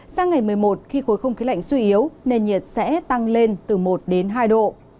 sang ngày một mươi một khi khối không khí lạnh suy yếu nền nhiệt sẽ tăng lên từ một đến hai độ